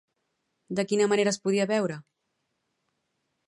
De quina manera es podia veure?